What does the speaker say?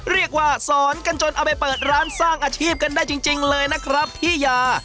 เรียกว่าสอนกันจนเอาไปเปิดร้านสร้างอาชีพกันได้จริงเลยนะครับพี่ยา